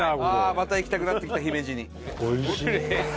また行きたくなってきた姫路に。